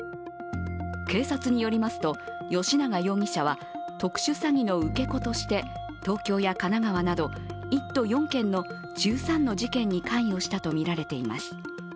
警察によりますと、吉永容疑者は特殊詐欺の受け子として東京や神奈川など１都４県の１３の事件に関与したとみられています。